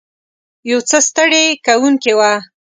یو څه ستړې کوونکې وه.